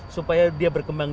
supaya dia bisa berkembang